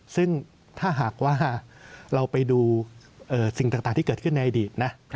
ซึ่งถ้าหากว่าเราไปดูสิ่งต่างที่เกิดขึ้นในอดีตนะ